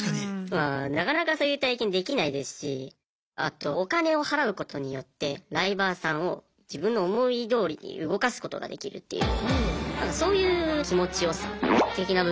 まあなかなかそういう体験できないですしあとお金を払うことによってライバーさんを自分の思いどおりに動かすことができるっていうそういう気持ちよさ的な部分もあるんですね。